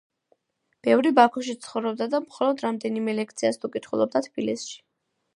ბევრი ბაქოში ცხოვრობდა და მხოლოდ რამდენიმე ლექციას თუ კითხულობდა თბილისში.